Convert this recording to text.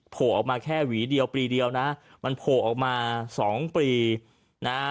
โผล่ออกมาแค่หวีเดียวปีเดียวนะมันโผล่ออกมาสองปีนะฮะ